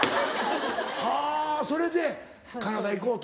はぁそれでカナダ行こうと。